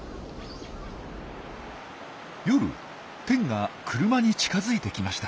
夜テンが車に近づいてきました。